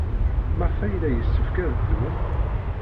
Maɣef ay yella yessefk ad ddun?